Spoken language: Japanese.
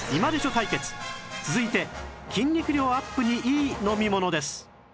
対決続いて筋肉量アップにいい飲み物です